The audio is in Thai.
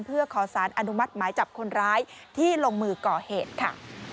เพื่อขอสารอนุมัติหมายจับคนร้ายที่ลงมือก่อเหตุค่ะ